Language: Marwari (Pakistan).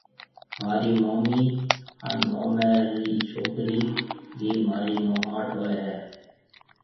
مهارِي مومِي هانَ موميَ رِي ڇوڪرِي ڀِي مهارِي موماٽ هوئيَ هيَ۔